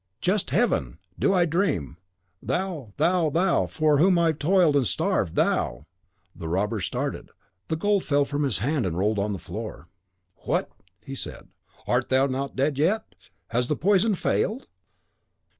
"Just Heaven! do I dream! Thou thou thou, for whom I toiled and starved! THOU!" The robber started; the gold fell from his hand, and rolled on the floor. "What!" he said, "art thou not dead yet? Has the poison failed?"